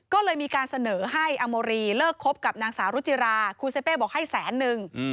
ก็เลยมีการเสนอให้อโมรีเลิกคบกับนางสาวรุจิราครูเซเป้บอกให้แสนนึง